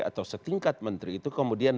atau setingkat menteri itu kemudian